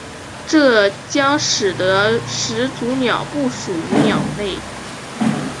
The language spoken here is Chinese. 这将使得始祖鸟不属于鸟类。